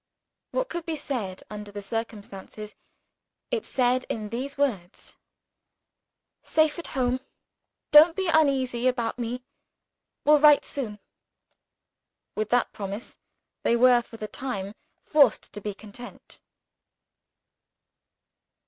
What could be said, under the circumstances, it said in these words: "Safe at home don't be uneasy about me will write soon." With that promise they were, for the time, forced to be content.